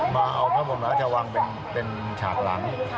มาเอาข้าวผมแล้วจะวางเป็นฉากหลัง